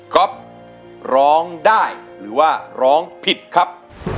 ๊อฟร้องได้หรือว่าร้องผิดครับ